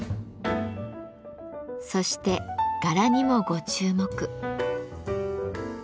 そして柄にもご注目。